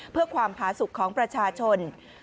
เพื่อความผาสุขของประชาชน